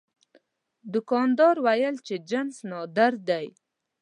دوکاندار وویل چې جنس نادر دی.